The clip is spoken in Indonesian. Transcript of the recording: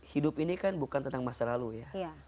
hidup ini kan bukan tentang masa lalu ya